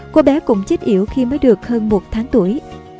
cô bé cũng chích yếu khi mới được hơn một tháng tuổi